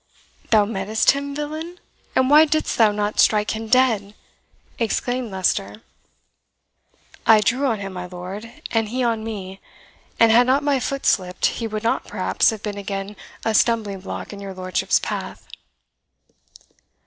"Thou met'st him, villain! and why didst thou not strike him dead?" exclaimed Leicester. "I drew on him, my lord, and he on me; and had not my foot slipped, he would not, perhaps, have been again a stumbling block in your lordship's path."